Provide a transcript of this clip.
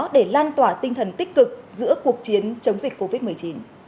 để lan tỏa tinh thần tích cực giữa cuộc chiến chống dịch covid một mươi chín